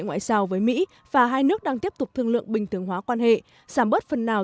ngoại giao với mỹ và hai nước đang tiếp tục thương lượng bình thường hóa quan hệ giảm bớt phần nào